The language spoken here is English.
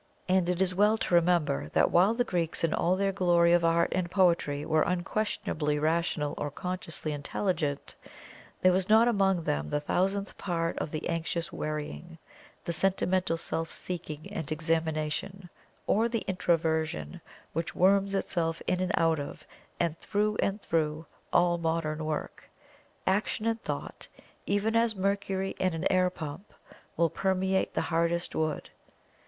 And it is well to remember that while the Greeks in all their glory of Art and Poetry were unquestionably rational or consciously intelligent, there was not among them the thousandth part of the anxious worrying, the sentimental self seeking and examination, or the Introversion which worms itself in and out of, and through and through, all modern work, action and thought, even as mercury in an air pump will permeate the hardest wood.